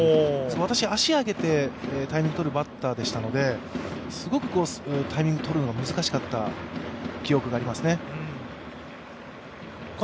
私、足上げてタイミングとるバッターでしたのですごくタイミングとるのが難しかった記憶がありますね。